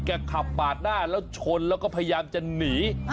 ขับปาดหน้าแล้วชนแล้วก็พยายามจะหนี